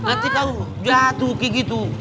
nanti kau jatuh kayak gitu